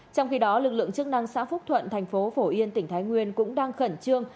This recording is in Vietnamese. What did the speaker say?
trong khi đó lực lượng chức năng xã phúc thuận thành phố phổ yên tỉnh thái nguyên cũng đang khẩn trương